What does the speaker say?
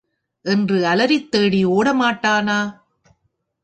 என்று அலறித் தேடி ஒட மாட்டானா?